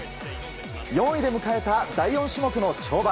４位で迎えた第４種目の跳馬。